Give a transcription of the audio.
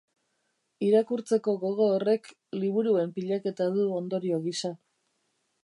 Irakurtzeko gogo horrek liburuen pilaketa du ondorio gisa.